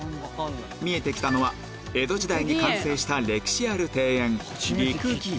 見えてきたのは江戸時代に完成した歴史ある庭園